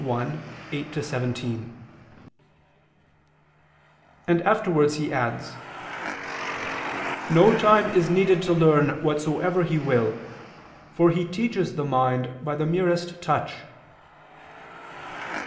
1:8 17]," and afterwards he adds: "No time is needed to learn whatsoever He will, for He teaches the mind by the merest touch."